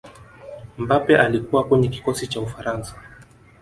mbappe alikuwa kwenye kikosi cha ufaransa